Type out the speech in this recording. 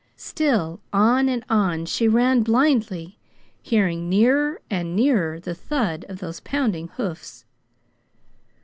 Still on and on she ran blindly, hearing nearer and nearer the thud of those pounding hoofs.